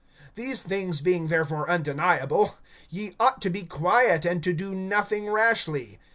(36)These things being therefore undeniable, ye ought to be quiet, and to do nothing rashly.